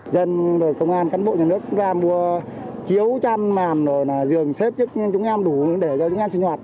dân công an cán bộ nhà nước ra mua chiếu chăn màn rồi là dường xếp cho chúng em đủ để cho chúng em sinh hoạt